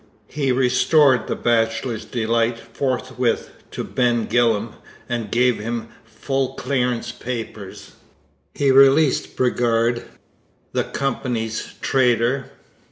He restored the Bachelor's Delight forthwith to Ben Gillam and gave him full clearance papers. He released Bridgar, the Company's trader.